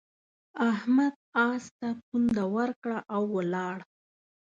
احمد اس ته پونده ورکړه او ولاړ.